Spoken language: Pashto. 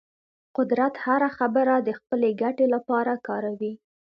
قدرت هره خبره د خپلې ګټې لپاره کاروي.